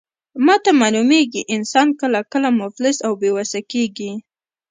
ماته معلومیږي، انسان کله کله مفلس او بې وسه کیږي.